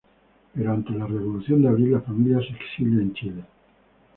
Pero ante la revolución de abril, la familia se exilia en Chile.